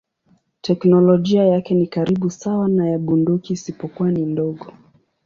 Teknolojia yake ni karibu sawa na ya bunduki isipokuwa ni ndogo.